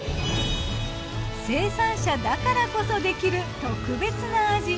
生産者だからこそできる特別な味。